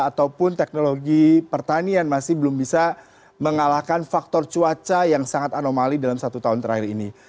ataupun teknologi pertanian masih belum bisa mengalahkan faktor cuaca yang sangat anomali dalam satu tahun terakhir ini